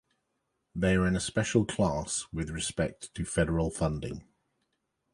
They are in a special class with respect to federal funding.